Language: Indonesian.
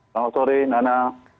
selamat sore nana